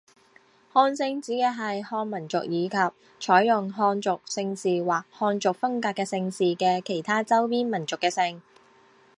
汉姓指的是汉民族以及采用汉族姓氏或汉族风格的姓氏的其他周边民族的姓。